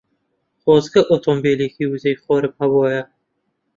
خۆزگە ئۆتۆمۆبیلی وزەی خۆرم هەبوایە.